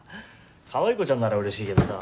かわい子ちゃんなら嬉しいけどさ。